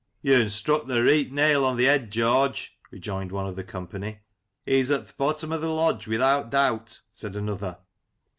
" You'n struck th' reet nail o'th' yed, George," rejoined one of the company. "He's at th' bottom o'th' lodge, without doubt!" said another.